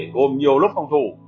gồm nhiều lớp phòng thủ